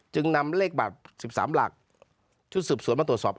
จึงนำเลขบัตร๑๓หลักชุดสืบสวนมาตรวจสอบ